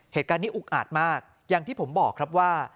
เหตุการณ์นี้อุกอาจมากอย่างที่ผมบอกครับว่า